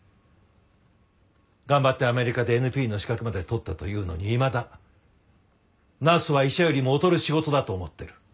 頑張ってアメリカでＮＰの資格まで取ったというのにいまだナースは医者よりも劣る仕事だと思ってる。